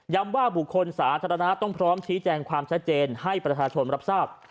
ว่าบุคคลสาธารณะต้องพร้อมชี้แจงความชัดเจนให้ประชาชนรับทราบ